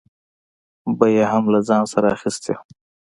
به یې هم له ځان سره اخیستې وه.